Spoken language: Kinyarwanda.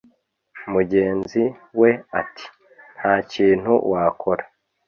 mugenzi we ati"ntakintu wakora